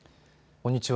こんにちは。